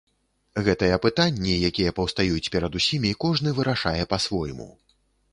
Гэтыя пытанні, якія паўстаюць перад усімі, кожны вырашае па-свойму.